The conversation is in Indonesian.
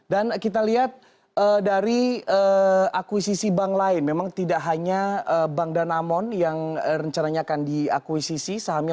dan kita lihat dari akuisisi bank lain memang tidak hanya bank danamon yang rencananya akan diakuisisi sahamnya